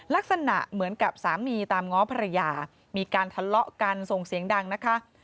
ลักษณะเหมือนกับสามีตามง้อภรรยามีการทะเลาะกันส่งเสียงดังนะคะ